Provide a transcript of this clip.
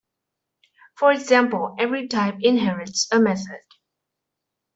For example, every type inherits a method.